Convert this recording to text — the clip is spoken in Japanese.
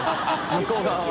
向こう側は。